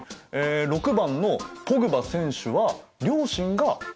６番のポグバ選手は両親がギニア系。